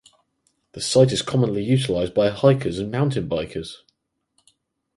The site is commonly utilized by hikers and mountain bikers.